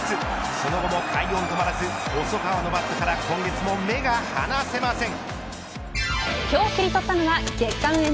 その後も快音止まらず細川のバットから今月も目が離せません。